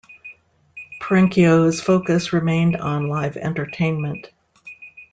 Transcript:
Perenchio's focus remained on live entertainment.